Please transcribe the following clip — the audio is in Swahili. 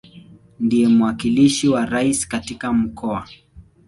Ndiye mwakilishi wa Rais katika Mkoa.